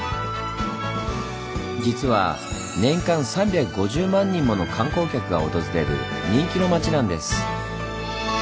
実は年間３５０万人もの観光客が訪れる人気の町なんです。